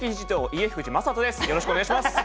よろしくお願いします。